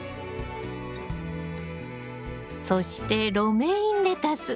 そしてロメインレタス。